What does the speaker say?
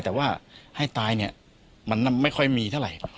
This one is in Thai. แต่ว่าให้ตายเนี่ยมันไม่ค่อยมีเท่าไหร่